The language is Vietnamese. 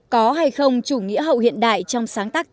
có hay không chủ nghĩa hậu hiện đại trong sáng tác tiểu thuyết